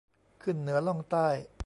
ขึ้นเหนือล่องใต้